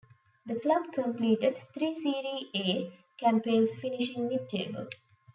The club completed three Serie A campaigns finishing mid-table.